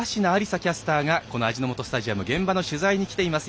キャスターがこの味の素スタジアム現場の取材に来ています。